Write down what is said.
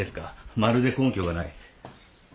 まるで根拠がない。